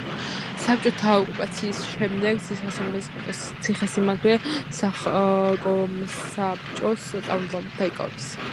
საბჭოთა ოკუპაციის შემდეგ ციხესიმაგრე სახკომსაბჭოს წარმომადგენლებმა დაიკავეს.